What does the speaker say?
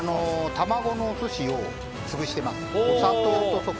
玉子のお寿司を潰しています。